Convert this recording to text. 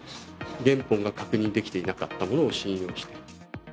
原本が確認できていなかったものを信用した。